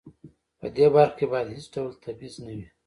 په دې برخه کې باید هیڅ ډول تبعیض نه وي.